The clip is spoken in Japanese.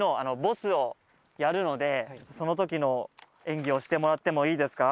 その時の演技をしてもらってもいいですか。